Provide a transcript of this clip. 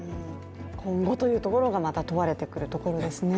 今後というところがまた問われてくるところですね。